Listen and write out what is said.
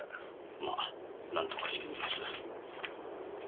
まあなんとかしてみます。